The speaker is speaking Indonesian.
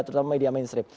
terutama media mainstream